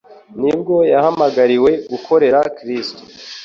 nibwo yahamagariwe gukorera Kristo.